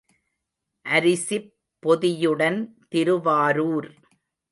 அரிசிப் பொதியுடன் திருவாரூர்.